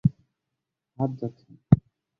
হাত যাচ্ছে না।